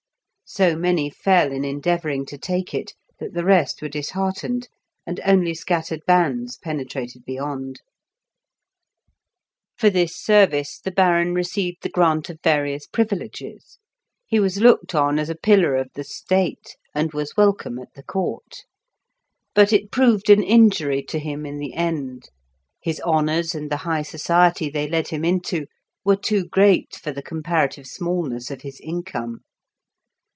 So many fell in endeavouring to take it, that the rest were disheartened, and only scattered bands penetrated beyond. For this service the Baron received the grant of various privileges; he was looked on as a pillar of the State, and was welcome at the court. But it proved an injury to him in the end. His honours, and the high society they led him into, were too great for the comparative smallness of his income.